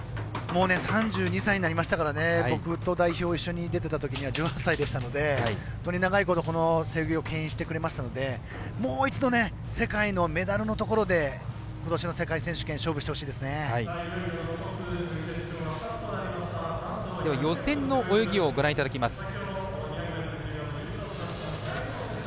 もう３２歳になりましたから僕と代表一緒に出てたときには１８歳でしたので本当に長いこと、背泳ぎをけん引してくれましたのでもう一度世界のメダルのところでことしの世界選手権予選の泳ぎをご覧いただきます。